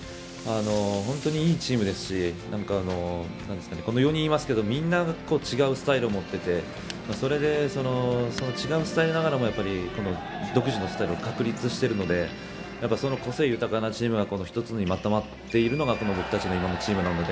本当にいいチームですし４人いますけどみんな違うスタイルを持っててその違うスタイルながらも独自のスタイルを確立しているのでその個性豊かなチームが１つにまとまっているのが今の僕たちのチームなので。